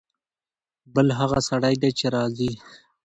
بل هغه سړی دی چې راځي.